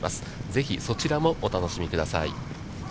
ぜひそちらもお楽しみください。